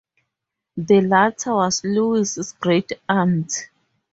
The latter was Louis's great-aunt.